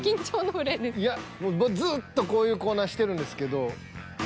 いやずっとこういうコーナーしてるんですけど。